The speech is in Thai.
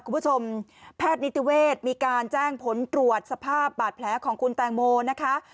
คุณผู้ชมแพทย์นิติเวศมีการแจ้งผลตรวจสภาพบาดแผลของคุณแตงโมนะคะ